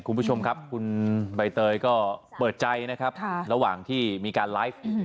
คุณผู้ชมครับคุณใบเตยก็เปิดใจนะครับระหว่างที่มีการไลฟ์